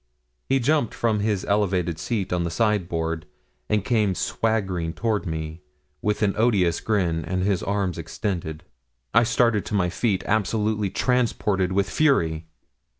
He jumped from his elevated seat on the sideboard, and came swaggering toward me, with an odious grin, and his arms extended. I started to my feet, absolutely transported with fury.